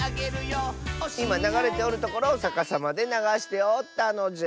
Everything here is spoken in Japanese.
いまながれておるところをさかさまでながしておったのじゃ。